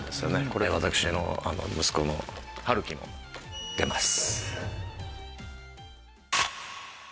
これ私の息子の陽喜も出ます。